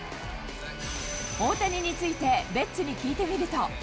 大谷についてベッツに聞いてみると。